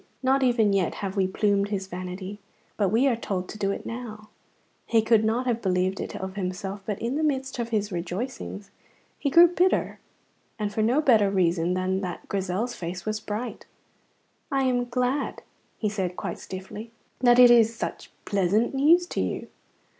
not even yet have we plumed his vanity. But we are to do it now. He could not have believed it of himself, but in the midst of his rejoicings he grew bitter, and for no better reason than that Grizel's face was bright. "I am glad," he said quite stiffly, "that it is such pleasant news to you."